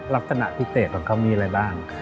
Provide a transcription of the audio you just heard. ลักษณะพิเศษของเขามีอะไรบ้าง